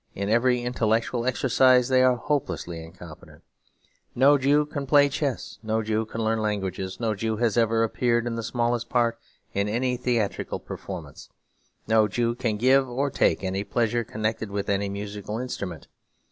In every intellectual exercise they are hopelessly incompetent; no Jew can play chess; no Jew can learn languages; no Jew has ever appeared in the smallest part in any theatrical performance; no Jew can give or take any pleasure connected with any musical instrument.